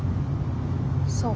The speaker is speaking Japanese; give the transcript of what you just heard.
そう。